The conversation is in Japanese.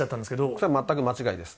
それは全く間違いです。